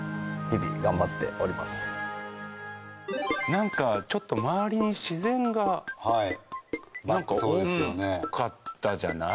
なんかちょっと周りに自然がなんか多かったじゃない。